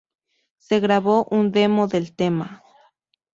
Se grabó un demo del tema.